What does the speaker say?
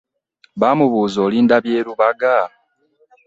Bamubuza olinda by'e Lubaga?